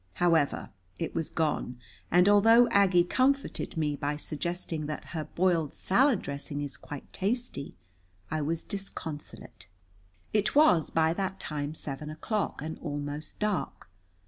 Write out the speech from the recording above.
However, it was gone, and although Aggie comforted me by suggesting that her boiled salad dressing is quite tasty, I was disconsolate. It was by that time seven o'clock and almost dark.